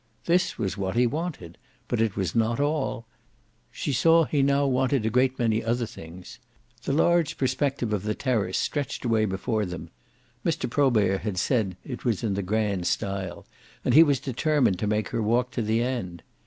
This was what he wanted, but it was not all; she saw he now wanted a great many other things. The large perspective of the terrace stretched away before them Mr. Probert had said it was in the grand style and he was determined to make her walk to the end.